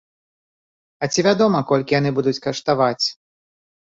А ці вядома, колькі яны будуць каштаваць?